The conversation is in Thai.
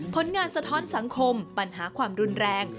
ผลงานสะท้อนสังคมปัญหาความรุนแรง